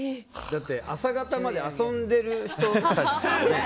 だって朝方まで遊んでる人だったもんね。